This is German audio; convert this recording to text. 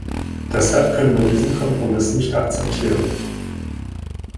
Deshalb können wir diesen Kompromiss nicht akzeptieren.